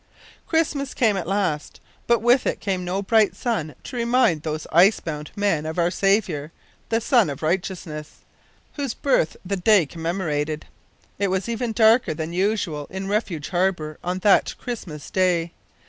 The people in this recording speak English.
Christmas came at last, but with it came no bright sun to remind those ice bound men of our Saviour the "Sun of Righteousness" whose birth the day commemorated. It was even darker than usual in Refuge Harbour on that Christmas day.